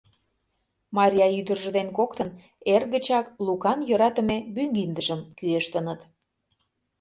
Мария ӱдыржӧ ден коктын эр гычак Лукан йӧратыме мӱгиндыжым кӱэштыныт.